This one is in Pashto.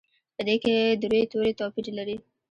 په دې کې د روي توري توپیر لري.